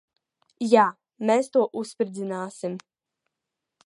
Jā. Mēs to uzspridzināsim.